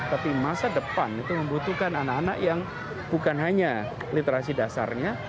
tapi masa depan itu membutuhkan anak anak yang bukan hanya literasi dasarnya